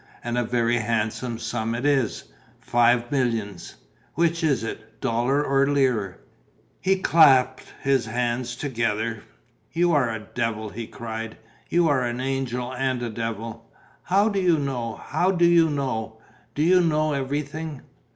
And a very handsome sum it is: five millions. Which is it, dollars or lire?" He clapped his hands together: "You are a devil!" he cried. "You are an angel and a devil! How do you know? How do you know? Do you know everything?"